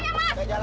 bu berhenti izan